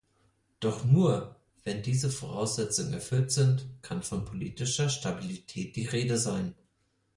Doch nur, wenn diese Voraussetzungen erfüllt sind, kann von politischer Stabilität die Rede sein.